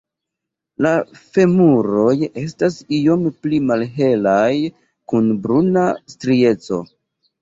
La femuroj estas iom pli malhelaj kun bruna strieco.